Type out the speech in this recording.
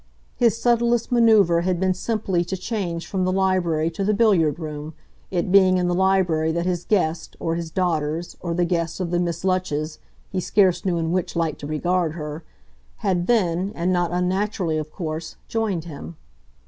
His subtlest manoeuvre had been simply to change from the library to the billiard room, it being in the library that his guest, or his daughter's, or the guest of the Miss Lutches he scarce knew in which light to regard her had then, and not unnaturally, of course, joined him.